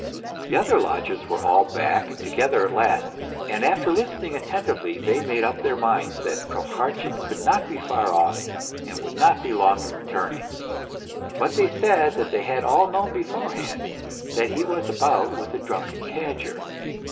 The other lodgers were all back and together at last, and after listening attentively they made up their minds that Prohartchin could not be far off and would not be long in return ing ; but they said that they had all known beforehand that he MR. PROHARTCHIN 267 was about with a drunken cadger.